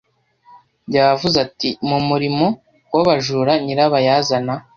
Yavuze ati 'Mu muriro w'abajura nyirabayazana'